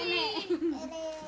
kalah kalah nenek